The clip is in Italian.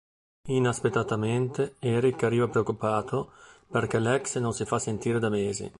Inaspettatamente, Eric arriva, preoccupato perché l'ex non si fa sentire da mesi.